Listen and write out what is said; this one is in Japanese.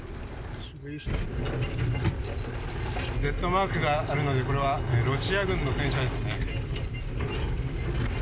Ｚマークがあるので、これはロシア軍の戦車ですね。